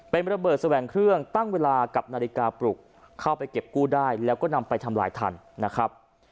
เป็นระเบิดแสวงเครื่องตั้งเวลากับนาฬิกาปลุกเข้าไปเก็บกู้ได้แล้วก็นำไปทำลายทันนะครับ